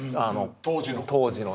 当時の？